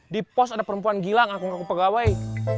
di pos ada perempuan gilang aku ngaku pegawai